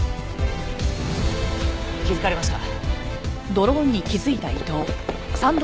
気づかれました。